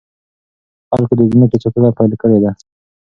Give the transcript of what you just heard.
خلکو د ځمکې ساتنه پيل کړې ده.